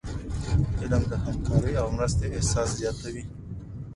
علم د همکاری او مرستي احساس زیاتوي.